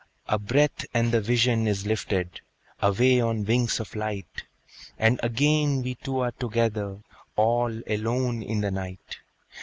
A breath, and the vision is lifted Away on wings of light, And again we two are together, All alone in the night.